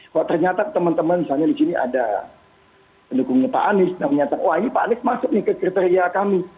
kok ternyata teman teman misalnya di sini ada pendukungnya pak anies yang menyatakan wah ini pak anies masuk nih ke kriteria kami